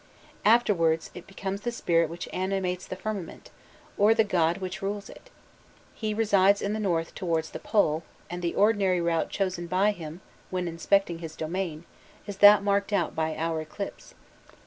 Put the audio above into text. Afterwards it becomes the spirit which animates the firmament, or the god which rules it: he resides in the north towards the pole, and the ordinary route chosen by him when inspecting his domain is that marked out by our ecliptic.